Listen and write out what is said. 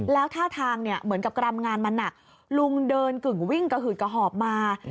แล้วท่าทางเนี่ยเหมือนกับกรำงานมันหนักลุงเดินกึ่งวิ่งกระหืดกระหอบมา